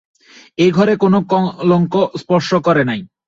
এ ঘরে কোনো কলঙ্ক স্পর্শ করে নাই।